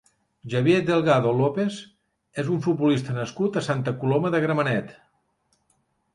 Javier Delgado López és un futbolista nascut a Santa Coloma de Gramenet.